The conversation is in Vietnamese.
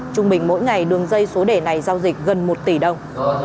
trung bình mỗi ngày đường dây số đề này giao dịch gần một tỷ đồng